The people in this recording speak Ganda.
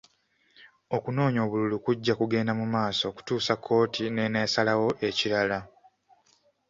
Okunoonya obululu kujja kugenda mu maaso okutuusa kkooti n'enaasalawo ekirala.